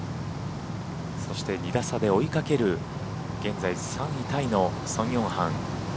そして２打差で追いかける現在３位タイのソン・ヨンハン。